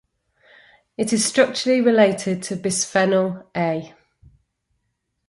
It is structurally related to bisphenol A.